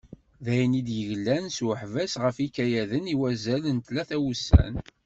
Dayen i d-yeglan s uḥbas ɣef yikayaden i wazal n tlata n wussan.